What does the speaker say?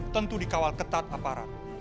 tentu dikawal ketat aparat